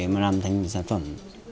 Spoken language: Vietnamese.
mà làm thành sản phẩm